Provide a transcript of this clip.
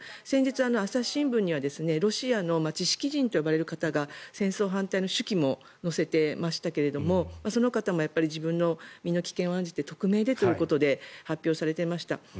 先日、朝日新聞にはロシアの知識人と呼ばれる方が戦争反対の手記も載せていましたがその方も自分の身の危険を案じて匿名でということで発表されていました。